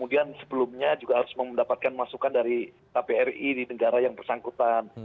dan sebelumnya juga harus mendapatkan masukan dari kpri di negara yang bersangkutan